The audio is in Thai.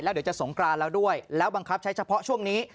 เดี๋ยวจะสงกรานแล้วด้วยแล้วบังคับใช้เฉพาะช่วงนี้